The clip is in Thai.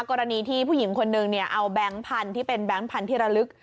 กรณีที่ผู้หญิงคนนึงเอาแบงค์พันธุ์ที่เป็นแบงค์พันธุ์ระลึก